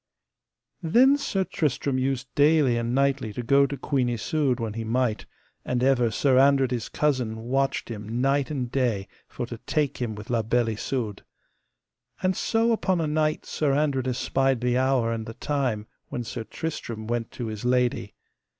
Then Sir Tristram used daily and nightly to go to Queen Isoud when he might, and ever Sir Andred his cousin watched him night and day for to take him with La Beale Isoud. And so upon a night Sir Andred espied the hour and the time when Sir Tristram went to his lady.